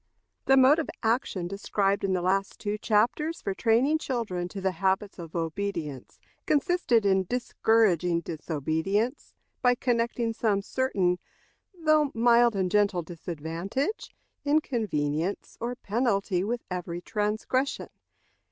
The mode of action described in the last two chapters for training children to habits of obedience consisted in discouraging disobedience by connecting some certain, though mild and gentle disadvantage, inconvenience, or penalty, with every transgression.